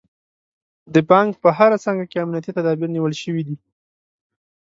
د بانک په هره څانګه کې امنیتي تدابیر نیول شوي دي.